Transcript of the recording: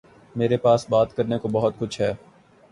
میرے پاس بات کرنے کو بہت کچھ ہے